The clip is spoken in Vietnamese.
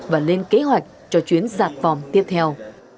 và lên kế hoạch cho chuyến giặt vòng tiếp theo